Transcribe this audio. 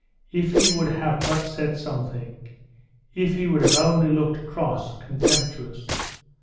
If he would have but said something!.... If he would only have looked cross, contemptuous!....